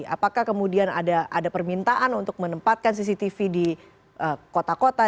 apakah kemudian ada permintaan untuk menempatkan cctv di kota kota